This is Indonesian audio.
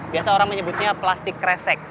biasa orang menyebutnya plastik kresek